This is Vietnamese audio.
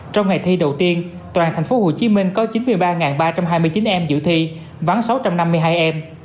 trong ngày thi đầu tiên toàn thành phố hồ chí minh có chín mươi ba ba trăm hai mươi chín em giữ thi vắng sáu trăm năm mươi hai em